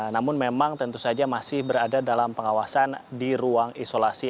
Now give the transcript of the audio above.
namun memang tentu saja masih berada dalam pengawasan diri